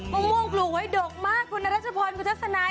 มะม่วงปลูกไว้ดกมากคุณรัชพรคุณทัศนาย